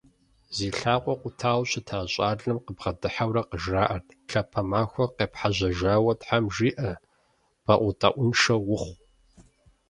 Зи лъакъуэр къутауэ щыта щӀалэм къыбгъэдыхьэурэ къыжраӏэрт: «Лъапэ махуэ къепхьэжьэжауэ тхьэм жиӀэ. БэӀутӀэӀуншэ ухъу».